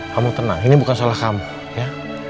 kamu tenang ini bukan salah kamu ya